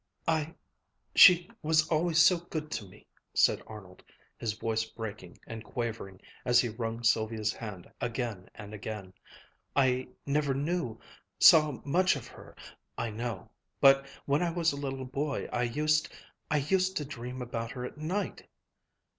"I she was always so good to me," said Arnold, his voice breaking and quavering as he wrung Sylvia's hand again and again. "I never knew saw much of her, I know but when I was a little boy, I used I used to dream about her at night."